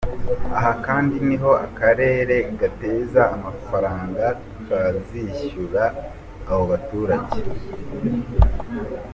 Aha kandi niho akarere gateze amafaranga kazishyura abo baturage.